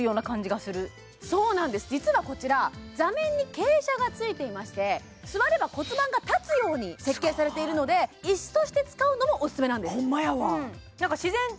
実はこちら座面に傾斜がついていまして座れば骨盤が立つように設計されているので椅子として使うのもオススメなんですホンマ